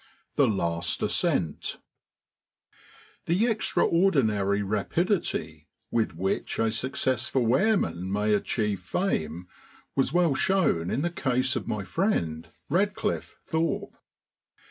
VII THE LAST ASCENT The extraordinary rapidity with which a successful airman may achieve fame was well shown in the case of my friend, Radcliffe Thorpe.